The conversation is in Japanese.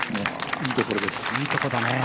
いいところです。